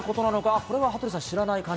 これは羽鳥さん、知らない感じ？